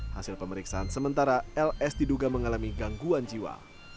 hasil pemeriksaan sementara ls diduga mengalami gangguan jiwa